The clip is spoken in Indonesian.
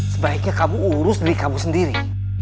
sebaiknya kamu urus diri kamu sendiri